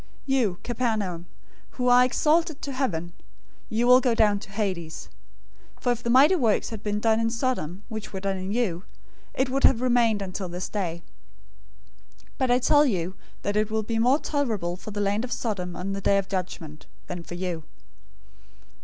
011:023 You, Capernaum, who are exalted to heaven, you will go down to Hades.{or, Hell} For if the mighty works had been done in Sodom which were done in you, it would have remained until this day. 011:024 But I tell you that it will be more tolerable for the land of Sodom, on the day of judgment, than for you."